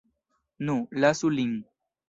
Nu, lasu lin.